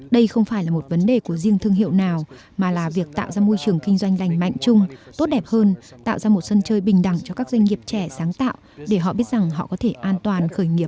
đây không phải là một vấn đề của riêng thương hiệu nào mà là việc tạo ra môi trường kinh doanh lành mạnh chung tốt đẹp hơn tạo ra một sân chơi bình đẳng cho các doanh nghiệp trẻ sáng tạo để họ biết rằng họ có thể an toàn khởi nghiệp